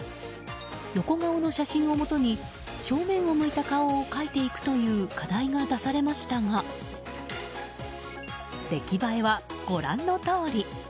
横顔の写真をもとに正面を向いた顔を描いていく課題が出されましたが出来栄えは、ご覧のとおり。